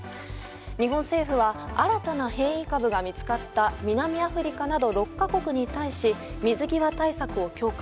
日本政府は新たな変異株が見つかった南アフリカなど６か国に対し水際対策を強化。